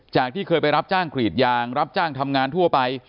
ที่เคยไปรับจ้างกรีดยางรับจ้างทำงานทั่วไป